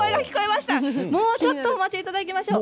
もうちょっとお待ちいただきましょう。